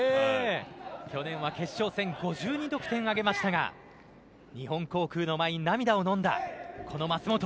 去年は決勝戦５２得点を挙げましたが日本航空の前に涙をのんだこの舛本。